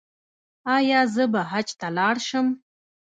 ایا زه به حج ته لاړ شم؟